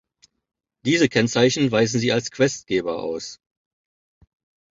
Diese Kennzeichen weisen sie als Questgeber aus.